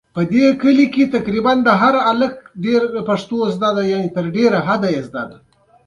پکتیکا د افغانانو د ژوند طرز اغېزمنوي.